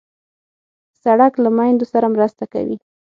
سړک له میندو سره مرسته کوي.